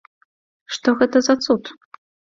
Што гэта за цуд?